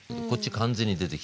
完全に出てきてる。